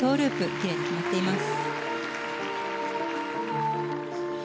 奇麗に決まっています。